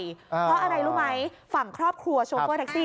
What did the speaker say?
เพราะอะไรรู้ไหมฝั่งครอบครัวโชเฟอร์แท็กซี่